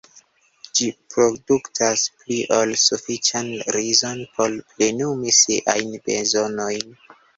Ĝi produktas pli ol sufiĉan rizon por plenumi siajn bezonojn.